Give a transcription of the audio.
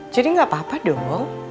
jadi gak apa apa dong